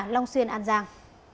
long xuyên an giang